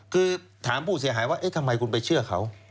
คือถามผู้เสียหายว่าเอ๊ะทำไมคุณไปเชื่อเขา